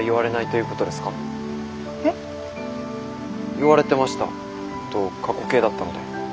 「言われてました」と過去形だったので。